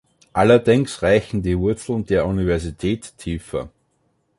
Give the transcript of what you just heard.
Allerdings reichen die Wurzeln der Universität tiefer.